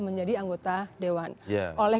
menjadi anggota dewan oleh